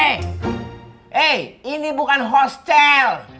hei ini bukan hostel